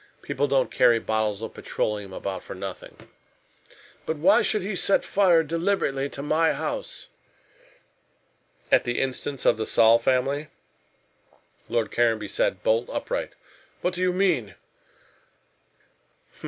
People don't carry bottles of petroleum about for nothing." "But why should he set fire deliberately to my house?" "At the instance of the Saul family?" Lord Caranby sat bolt upright. "What do you mean?"